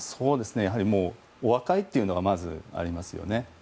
やはりお若いというのがまずありますね。